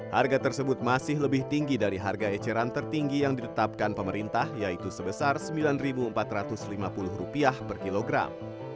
harga tersebut masih lebih tinggi dari harga eceran tertinggi yang ditetapkan pemerintah yaitu sebesar rp sembilan empat ratus lima puluh per kilogram